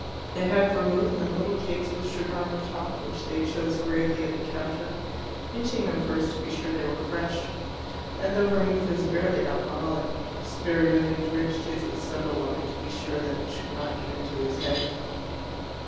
They had vermouth and little cakes with sugar on the top, which they chose gravely at the counter, pinching them first to be sure they were fresh. And though vermouth is barely alcoholic, Spiridione drenched his with soda water to be sure that it should not get into his head.